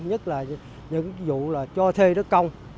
nhất là những vụ là cho thê đất công